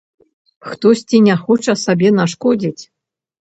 Хтосьці не хоча сабе нашкодзіць.